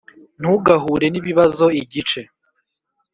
ntugahure nibibazo igice